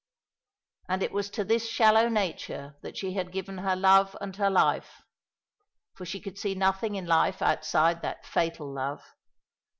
And it was to this shallow nature that she had given her love and her life; for she could see nothing in life outside that fatal love.